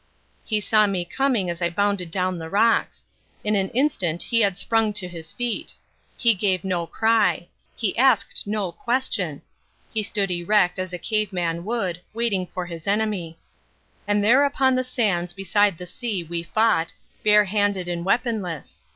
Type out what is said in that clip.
He saw me coming as I bounded down the rocks. In an instant he had sprung to his feet. He gave no cry. He asked no question. He stood erect as a cave man would, waiting for his enemy. And there upon the sands beside the sea we fought, barehanded and weaponless.